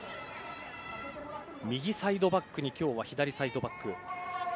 右サイドバックに今日は左サイドバック。